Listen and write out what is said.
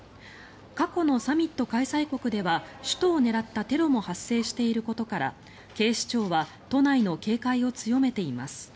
過去のサミット開催国では首都を狙ったテロも発生していることから警視庁は都内の警戒を強めています。